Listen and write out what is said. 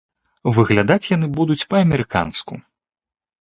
Выглядаць яны будуць па-амерыканску.